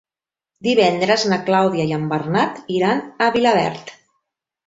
Divendres na Clàudia i en Bernat iran a Vilaverd.